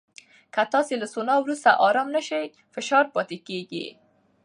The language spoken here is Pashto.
که تاسو له سونا وروسته ارام نه شئ، فشار پاتې کېږي.